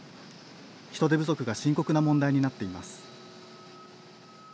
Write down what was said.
人手不足が深刻な問題になっています。